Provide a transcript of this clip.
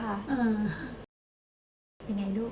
เป็นไงลูก